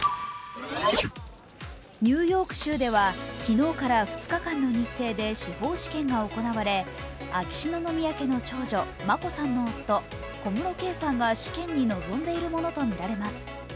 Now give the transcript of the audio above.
ニューヨーク州では昨日から２日間の日程で司法試験が行われ、秋篠宮家の長女・眞子さんの夫、小室圭さんが試験に臨んでいるものとみられます。